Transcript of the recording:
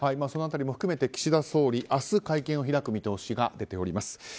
その辺りも含めて岸田総理明日会見を開く見通しが出てきています。